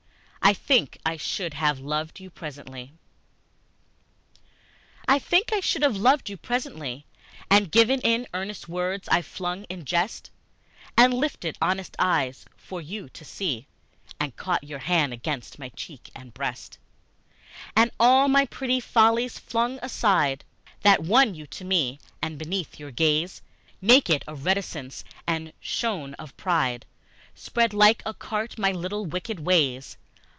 I think I should have loved you presently I THINK I should have loved you presently, And given in earnest words I flung in jest; And lifted honest eyes for you to see, And caught your hand against my cheek and breast; And all my pretty follies flung aside That won you to me, and beneath your gaze, Naked of reticence and shorn of pride, Spread like a chart my little wicked ways.